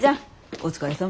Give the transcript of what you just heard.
お疲れさん。